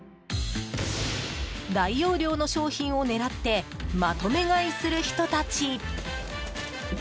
大容量の商品を狙ってまとめ買いする人たち。